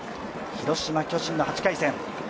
広島×巨人の８回戦。